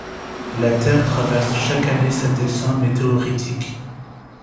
La Terre traverse chaque année cet essaim météoritique.